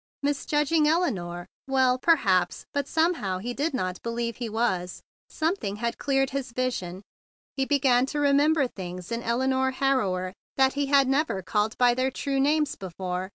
Misjudging Elinore? Well, per¬ haps, but somehow he did not believe he was. Something had cleared his vision. He began to remember things in Elinore Harrower that he had never called by their true names before.